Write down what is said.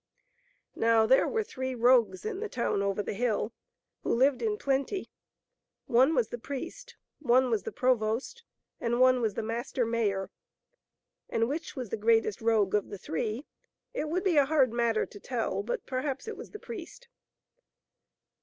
Now there were three rogues in the town over the hill, who lived in plenty ; one was the priest, one was the provost, and one was the master mayor ; and which was the greatest rogue of the three it would be a hard matter to tell, but perhaps it was the priest.